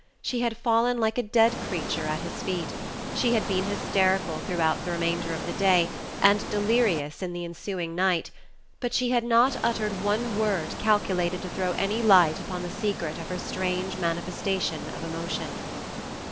She had fallen like a dead creature at his feet; she had been hysterical throughout the remainder of the day, and delirious in the ensuing night, but she had not uttered one word calculated to throw any light upon the secret of her strange manifestation of emotion.